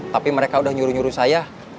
tapi mereka sudah nyuruh nyuruh saya